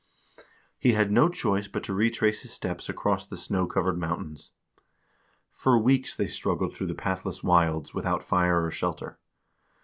He had no choice but to re trace his steps across the snow covered mountains. For weeks they struggled through the pathless wilds, without fire or shelter.